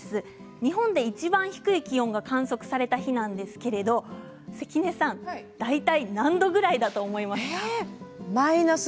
日本でいちばん低い気温が観測された日なんですけれども関根さん、大体何度ぐらいだと思いますか？